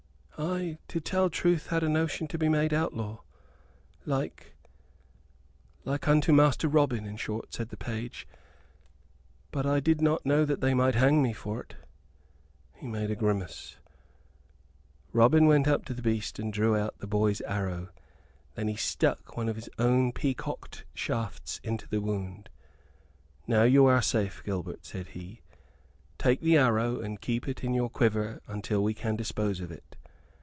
"I to tell truth, had a notion to be made outlaw, like like unto Master Robin, in short," said the page. "But I did not know that they might hang me for't." He made a grimace. Robin went up to the beast and drew out the boy's arrow. Then he stuck one of his own peacocked shafts into the wound. "Now you are safe, Gilbert," said he, smiling. "Take the arrow, and keep it in your quiver until we can dispose of it.